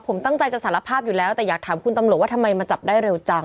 ผมตั้งใจจะสารภาพอยู่แล้วแต่อยากถามคุณตำรวจว่าทำไมมาจับได้เร็วจัง